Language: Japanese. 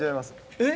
えっ？